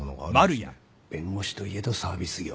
弁護士といえどサービス業。